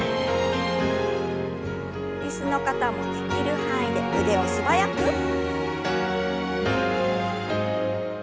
椅子の方もできる範囲で腕を素早く。